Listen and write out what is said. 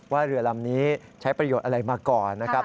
เรือลำนี้ใช้ประโยชน์อะไรมาก่อนนะครับ